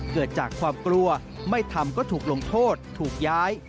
เกิดจากความกลัวไม่ทำก็ถูกลงโทษถูกย้าย